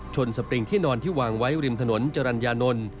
สปริงที่นอนที่วางไว้ริมถนนจรรยานนท์